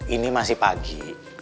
ini masih pagi